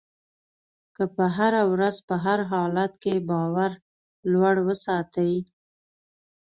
که په هره ورځ په هر حالت کې باور لوړ وساتئ.